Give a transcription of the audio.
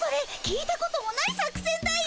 聞いたこともない作戦だよ。